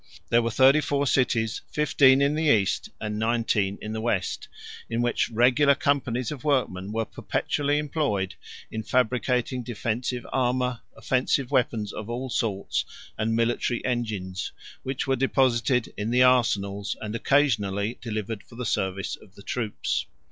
There were thirty four cities, fifteen in the East, and nineteen in the West, in which regular companies of workmen were perpetually employed in fabricating defensive armor, offensive weapons of all sorts, and military engines, which were deposited in the arsenals, and occasionally delivered for the service of the troops.